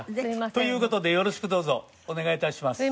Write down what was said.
という事でよろしくどうぞお願い致します。